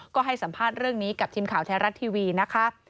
ก็ให้สัมภาษณ์เรื่องนี้กับทีมข่าวแท้รัฐทีวีนะคะ